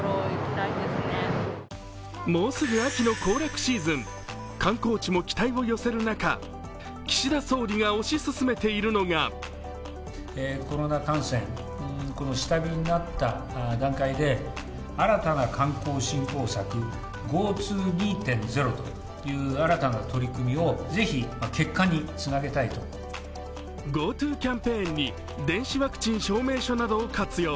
もうすぐ秋の行楽シーズン、観光地も期待を寄せる中、岸田総理が推し進めているのがＧｏＴｏキャンペーンに電子ワクチン証明書などを活用。